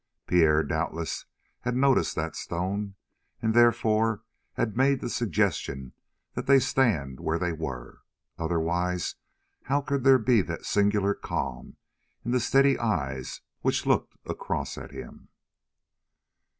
Pierre, doubtless, had noticed that stone, and therefore he had made the suggestion that they stand where they were. Otherwise, how could there be that singular calm in the steady eyes which looked across at him?